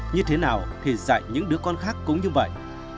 như thế nào thì dạy những đứa con khác cũng như vậy